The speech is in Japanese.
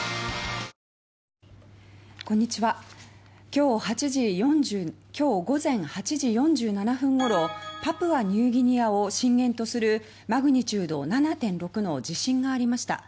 今日、午前８時４７分ごろパプアニューギニアを震源とするマグニチュード７．６の地震がありました。